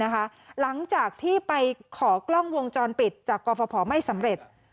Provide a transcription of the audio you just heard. หลังจากที่ไปขอกล้องวงจรปิดจากกรพไม่สำเร็จ